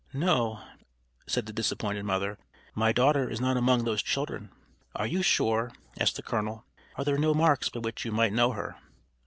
"No," said the disappointed mother, "my daughter is not among those children." "Are you sure?" asked the colonel. "Are there no marks by which you might know her?"